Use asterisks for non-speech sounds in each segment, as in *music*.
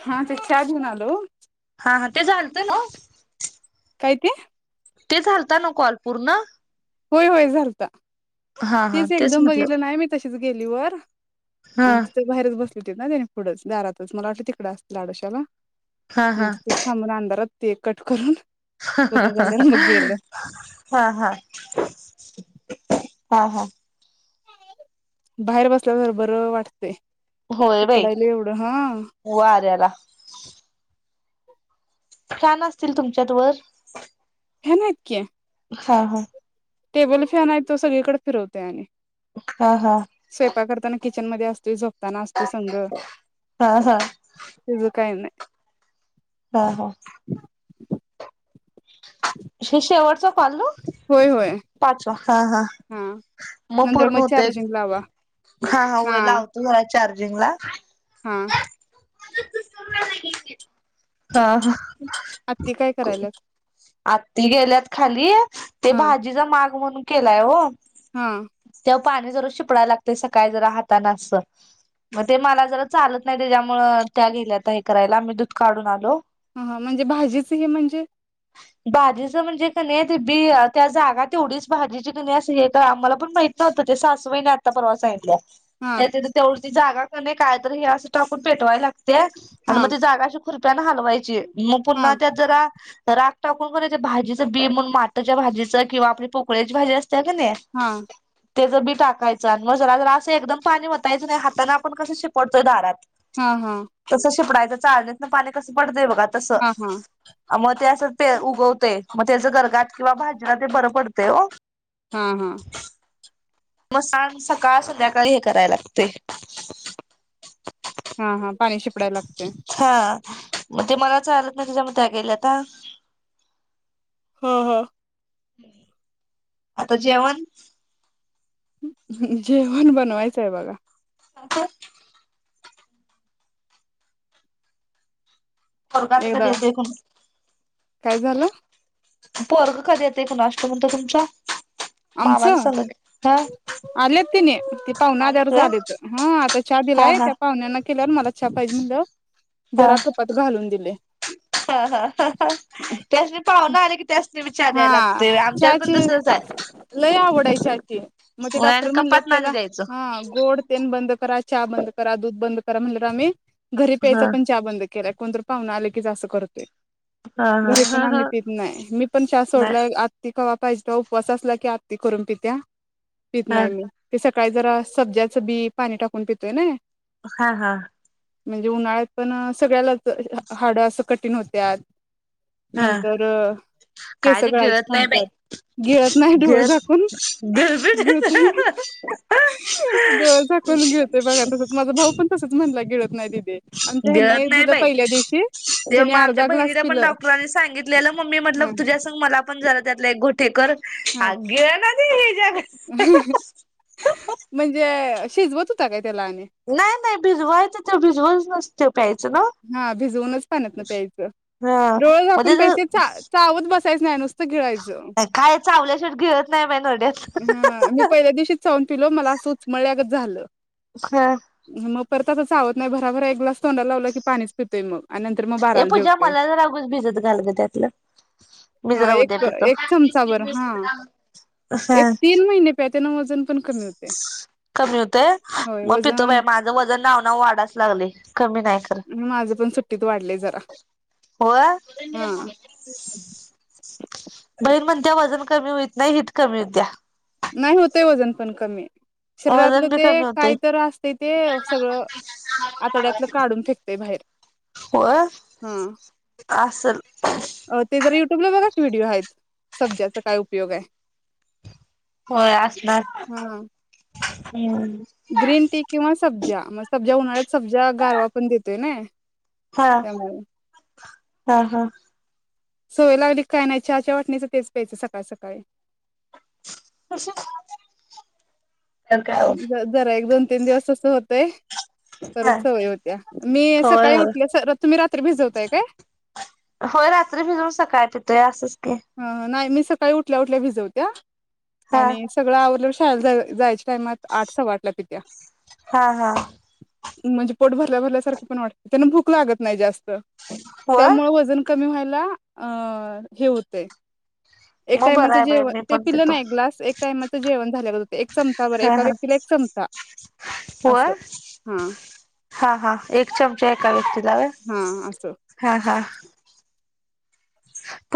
हा ते *unintelligible* हा-हा ते झालतं ना काय ते? ते झालतं ना कॉल पूर्ण? होय-होय झालता. हा हा तेच एकदम म्हटलं बघितलं नाही मी त तेच गेली वर हा आण तिथ बाहेरच बसल ना त्याने पुढंच दारातच मला वाट तिकडे असत आडोश्याला हा म्ह हा तिथंच थांबून अंधारात ते कट करून पूर्ण झाल्यावर मग गेलो हा हा. हा हा. बाहेर बसल्यावर जर बरं वाटत होय बाई वाऱ्याला फाॅन असतील, तुमच्यात वर फाॅन हाइत की, हा हा टेबल फॅन आहे. तो सगळीकडे फिरवते आणि हा हा किचनमध्ये असतोय बघ झोपताना असतोय संग, हा हा तिझ काही नाही. हा हा *unintelligible* ह्या शेवटचा काॅल नव्ह, होय होय पाचवा हा हा मग नंतर पूर्ण होतोय. चार्जिंग लावा हा हा वय लावतो जरा चारजिंगला हा हा ह आत्ती काय करायल्यात. आत्ती गेल्यात खाली, ते हा भाजीचा मा ग म्हणून केलाय हो. हा पाणी जर शिपडायला लागतय. सकाळी जरा हाताान असं मग ते मला जरा चालत नाही त्याच्यामुळं, त्या गेल्यात हे करायला मी दूध काढून आलो. ह म्हणजे भाजीच हे म्हणजे, भाजीचं म्हणजे कनी ते बी त्या जागा एवढीच भाजीची कणी अस हे आम्हाला पण माहित नव्हतं ते सासुबाईनी आता परवा सांगितलीया. हा त्या तिथं तेवढ ती जागा कनी काय तर हे असं टाकून पेटवाय लागत तीया आणि हा मग ते जागा श खुरप्यान हालवायची. मग हा पुन्हा त्यात जरा राख टाकून कनी भाजीचं बी म्हणन, माटच्या भाजीचं किंवा आपली पोकळी्याची भाजी अस असतीया कनी हा तेचं बी टाकायचं, आणि मग जरा जरा असं एकदम पाणी वताच नाही, हाताने आपण कसं शिपडतोय दारात हा हा तसं शिपडायंच. चालणीत पाणी कसं पडत कातास हा हा आ म ते उगवते मग त्याच गर्गात किंवा भाजीला ते बरं पडते हो हा हा म सण सकाळ संध्याकाळी हे कराय लागते हा हा पाणी शिपडायला लागते हा. मग ते मला चालंत नाही म्हणून त्या गेल्या का? हा हा. हं, आता जेवण? जेवण बनवायचंय बघा. अ *unintelligible* *unintelligible* पोरग एकदा काय झालं कधी येतये *unintelligible* म्हटल तुमचा आमचं? आलेत किनाई ते पाहुण आलीत आल्यावरच व्हय आलेत. ह -आता चाय हा दिलाये. हा. त्या पाहुण्यांना- केल्यावर मला चहा पाहिजे म्हणलं- जरा कपात घालून दिले. हां हां, त्या इथं आले की त्यास्नी बी चा द्यावा हा लागतोय, आमच्याकडं चहाची पण तसच आहे- लय आवडायची *unintelligible* मंग ते होय आणि डॉक्टर म्हणलेत कपातन आणि त्याला, द्यायचं हा- गोड तेन बंद करा चहा बंद करा दुध- *unintelligible* घरी हा. प्यायचा पण चा बंद केलाय कोणत- पाहून आले कीच असं करतोय- हा हा घरी हा पण आम्ही हा पित नाही. मी पण चहा नाही सोडलाय आत् ति का- *unintelligible* उपवासास ला- *unintelligible* पित हा नाही मी *unintelligible* काही जरा, सब्ज्याचं बी पाणी टाकून पितोय ना. हा हा. म्हणजे उन्हाळ्यात पण, सगळ्याला- हाडं अस- कठीण होते आज. हा नंतर काय -केस ते गळायचे गिळत नाही थांबत्यात बाई गळत नाही. डोळ गिळत झाकून -गिळतो गिळबिळत डोळ झाकून गिळते बघ आता माझा माझा भाऊ पण तसच म्हणला गेळत. गिळत नाही बाई. दिवशी ते त्यानी मग आमच्या अर्धा ग्लास बहिणीला पण पिलं डॉक्टरांनी सांगितलेलं मंग मी म्हटल ह तुझ्यासंग मला पण जरा त्यातलाएक घोट- ते कर- हा अगं गिळ ना - म्हणजे शिजवत- *unintelligible* नाही नाही भिजवायचं ते भिजवून *unintelligible* हा भिजवूनच पाण्यातनं प्यायचं. हा डोळं मग झाकून त्याच प्यायचं. चावत बस- कायच नाय नुस काय चावल्या शिवट गिळत नाही बाई नरड्यात हां मी पहिल्या दिवशीच चाऊन पिलो मला असं उचमळल्यागत झालं. हां. मग परत आता चावत नाही भराभरा एक ग्लास तोंडाला लावला की पाणीच पितोय मग. आणि नंतर मग ए बाराला पूजा जेवतोय. मला जरा *unintelligible* भिजत घाल त्यातलं मी हा जरा उद्या एक पितो. एक चमचाभर हा *unintelligible* एक तीन महिने प्या. त्यानं व कमी हुतंय होय म पितो वजन बाई माझं वजन नाव नाव वाढायच लागलंय कमी नाही खरं. माझं पण सुट्टीत वाढलय जरा होय? हा *unintelligible* बहीण म्हणत्या वजन कमी होईत नाही हिट कमी होत्या नाही होतंय वजन पण कमी शरीरातलं वजन बी ते कमी होतय काय तर आसतय ते सगळं आतड्यातलं काढून फेकतय बाहेर होय हा असल ते जरा तुम्ही बघा की व्हिडिओ आहेत सब्जाचा काय उपयोग आहे. होय आसणार हा. हं ग्रीन टी किंवा सब्ज्या म सब्ज्या उन्हाळ्यात सब्ज्या गारवा पण देतोय नाई हा हा हा सवय लावली कि काय नाही चहाच्या वाटणीचं तेच प्यायचं सकाळ सकाळी तशा जरा एक, दोन तीन दिवस तसं होतंय हा परत सवय होत्या मी होय सकाळी होय उठल्या रात्री भिजवताय काय? होय रात्री भिजवून सकाळी पितोय असं हं हं नाही मीच सकाळी उठल्या उठल्या भिजवत्या हा आणि सगळं आवरल्यावर हा शाळेत जायच्या टाइमात आठ-सव्वा आठला पित्या. हा हा म्हणजे पोट भरल्या भरल्यासारखं पण वाटत त्यांना भूक लागत नाही जास्त. होय त्यामुळे वजन. कमी व्हायला अ हे होत. तय. एक मग बरं टाइमाचं आहे बाई जेवण, मी ते पण पिलं पितो ना एक ग्लास एक टाइमाचं जेवण. *unintelligible* बरं हा एका हा व्यक्तीला एक चमचा असं व्हय हा हा हा एक चमचा एका व्यक्ती ला व्हय. हा अ असं-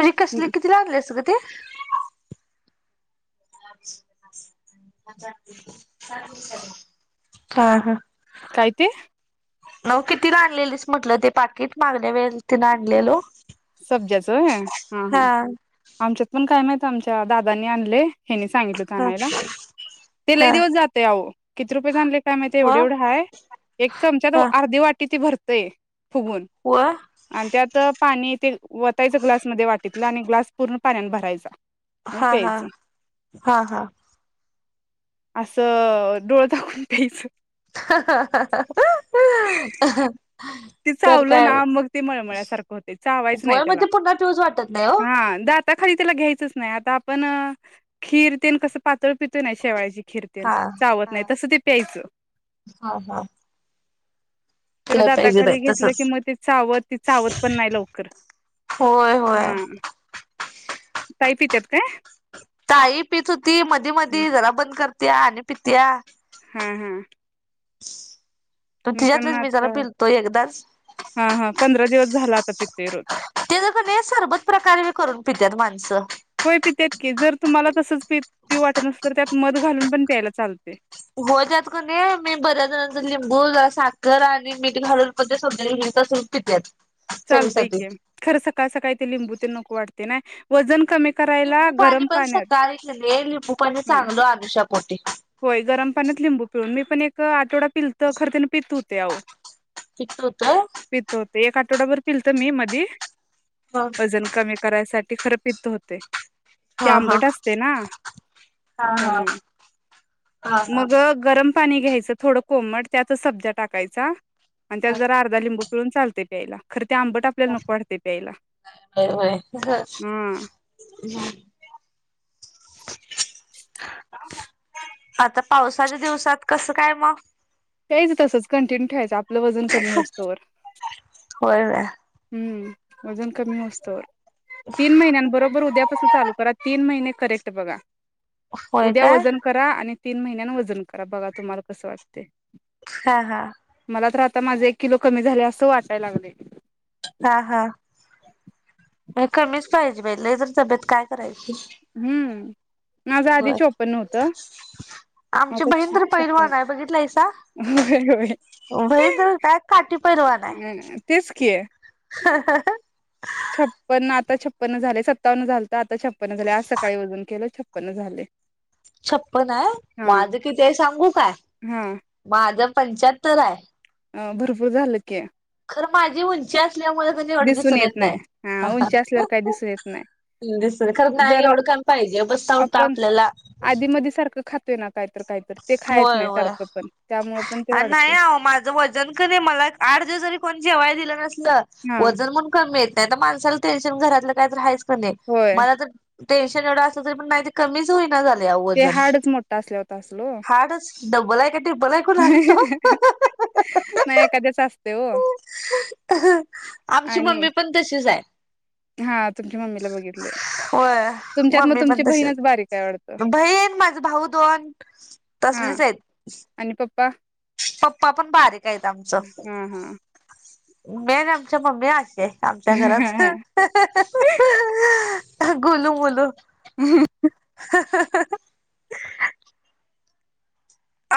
हा- *unintelligible* कसल कितीला आणलस ग - ते- हा हा काय ते- अ कितीला आणलेलीस म्हटलं ते पाकिट मागल्या वेळेस तिन आणलेलो? सब्ज्याच होय, हा हा आमच्यात- पण काय माहित आमच्या दादाने आणलय. हेनी सांगितल होत हा आणायला, ते हा लय दिवस जातय अहो किती रुपयेच आणले काय माहित व एवढे एवढं हाय एक चमचा हा अर्धी वाटी ते भरते ते- फुगवून व आणि त्यात पाणी ते वतायचं ग्लासमधे वाटीतलं आणि ग्लास पूर्ण पाण्यान भरायच. हा हा हा हा असं डोळ दाबुन प्यायचं, हहहहहअअह ते चावलं ना मग ते मळमळ्यासारखं होतेय चावायच नाही होय मग त्याला ते पुन्हा पिऊच वाटत नाही हो हा दात आता खाली त्याला घ्यायचंच नाही आता आपण खीर तेल कस पातळ पितो नाही शेवयाची खिर ते हा चावत हा नाही तसं ते प्यायचं हा हा तेरा केलं दात आता पाहिजे बाई खाली घेतलं तसच की मग ते चावत ती चावत पण नाही लवकर होय ह होय ताई पित्यात काय. ताई पीत होती मधी मधी जरा बंद कर- पित्या आन पित्या! हु हु *unintelligible* मी पण तिच्यातलंच जरा आता पिलतो एकदाच हा हा पंधरा दिवस झाल. आ पितोय. रोज ते ज कनी सरबत प्रकारे करून पितात माणसं, होय पितेत की जर, तुम्हाला तसच प पिऊ वाटत नसल तर त्यात मध घालून, पण प्यायला चालतय. हो त्यात कनी मी बऱ्याच लिंबू, साखर आणि मीठ घालूनण ते सबज्याचं बी तस पित्यात. चालतंय चवीसाठी. की, खरं सका सकाळी ते लिंबू ते नको वाटत. ते नाय वजन कमी करायला लिंबू पाणी गरम पण पाण्यात सकाळी कनी लिंबू पाणी हं चांगलं अनुषा पोटी. होय गरम पाण्यात लिंबू पिळुन मी पण एक आठवड्यात पिलत खर त्यानं पित होतय आहो पित्त होतंय. पित होतय, एक आठवडा भर पिलत मी मधी हा वजन कमी करायसाठी ते खरं पित होतयं. ते हा आंबट असतय ना हा हा हा त्यामुळं. हा हा मग गरम पा पाणी घ्यायचं थोडं कोमट त्यातचं सबज्या टाकायचा. आणि त्यात जरा अर्धा लिंबू पिळून चालतय प्यायला खरं ते आंबट आपल्याला नको वाटतय प्यायला होय होय. हा. *inaudible* आता पावसाच्या दिवसात कसं काय म. प्यायचं तसचं कंटिन्यू ठेवायचं आपलं वजन कमी हुसतवर. होय होय हम्म वजन कमी हुसतवर. तीन महिन्यांन बरोबर उद्यापासून चालू करा तीन महिने करेक्ट बघा. होय उदया काय वजन करा आणि तीन महिन्यांन वजन करा, बघा तुम्हाला कसं वाटतय. हा हा. आता माझं एक किलो कमी झालयं असं वाटाय लागलय. हा हा कमीच पाहिजे बाई लय जरी तब्येत काय करायची. हम्म. माझं आधी बर चोपन्न होतं आमची आता बहीण तर छप्पन पैलवान हाय, बघित लाय सा होय होय बहीण तर काय काठी पैलवान हाय. तेच की हं हं. छप्पन्न आता छपन्न झालेयं सत्तावन्न झालत आ ता छपन्न झाले आज सकाळी वजन केलं छ पण झाले. छप्पन्न हाय हा माझं किती हाय सांगू काय हा माझं पंच्याहत्तर हाय. अं भरपूर झालं की. तर माझी उंची अं ल्यामुळ कणी एवढ दिसून येत नाई, नाही हा उंची असल्यावर काही दिसून येत नाही य दिस खर नाही जर एवढं कणी पाहिजे, बसता उठता आपल्याला तोयना होय वय त्यामुळे पण ते आणि नाही वाढते अवो माझं वजन कणी एक मला आठ दिवस जरी कोण जेवाय दी ल नस ल हा वजन म्हणून कमी येत नई, आता माणसाल टेन्शन घरातलं काय तरी हायच कणी होय मला तर टेनशन एवढं असल तरी पण नाही ते कमीच होई ते हाडच मोठ असल्याव होत आस ल वो, हार्डच डब्बल आहे का ट्रिपल आहे कुणास ठाऊक नाई एखाद्याचं अस आमची मम्मी पण तशीच आय. हात तुमच्या मम्मीला बघितलय, तुमच्यात मग मम्मी तुमची पण तशी बहीणच बारीकाय वाडतं. बहीण माझ भाऊ दोन हा तसलीच आइत. आणि पप्पा पप्पा पण बारीक आइत आमच हा हा मेन आमच्या मम्मी आस ते आमच्या हा घरात अह गोलूमोलू उहू ह *inaudible*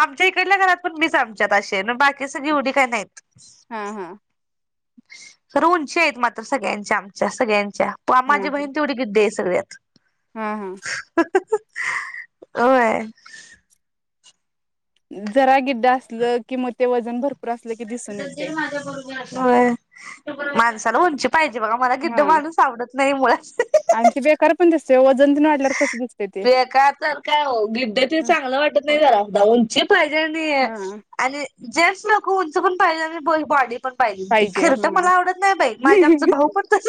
आमच्या इकडल्या घरात पण मीच आमच्यात अशी आय, न बाकी सगळी एवढी काय नहीत. हा हा. खर उंची आहेत, मात्र सगळ्यांच्या आमच्या सगळ्यांच्या पा हा माझी बहिन तेवढी गिड्डी आयस सगळ्यात हा हा. अ वय उ जरा गिड्ड असलं कि म ते वजन भर *unintelligible* वय माणसाला उंची पायजे बघा, मला गिड्ड हा माणूस आवडत नई मूळ आणि ते बेकार पण दिसतय ओ वजन तेन वाडल्यावर बेका तर काय ओ, गिड्ड ते चांगलं वाटत नई जरा सुद्दा उंची पायजे आणि, हा आणि जेंट्स नको उंच पण पाहिजे आणि बॉडी पण पाहिली ती पाहिजे खिर तर हा मला आवडत नाही बाई माझे आमच भाऊ पण तस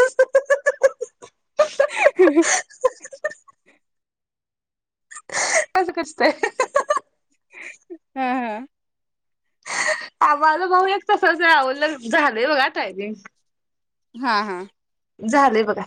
अस कस काय. ह ह. आवाला भाऊ एक तसच आवलग झालंय बघा. *unintelligible* हा हा. झालंय बघा.